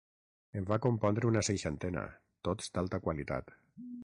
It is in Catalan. En va compondre una seixantena, tots d'alta qualitat.